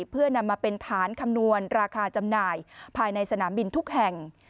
เพื่อนำมาเป็นฐานคำนวณราคาจำหน่ายภายในสนามบินทุกแห่ง